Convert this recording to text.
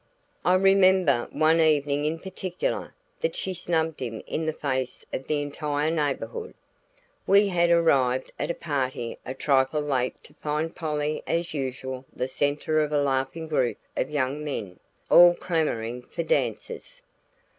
I remember one evening in particular that she snubbed him in the face of the entire neighborhood. We had arrived at a party a trifle late to find Polly as usual the center of a laughing group of young men, all clamoring for dances.